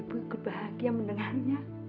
ibu ikut bahagia mendengarnya